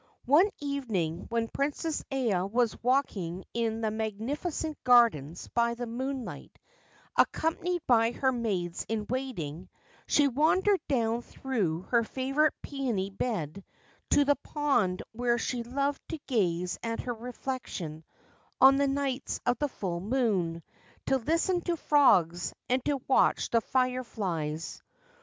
One evening when Princess Aya was walking in the magnificent gardens by the moonlight, accompanied by her maids in waiting, she wandered down through her favourite peony bed to the pond where she loved to gaze at her reflection on the nights of the full moon, to listen to frogs, and to watch the fireflies.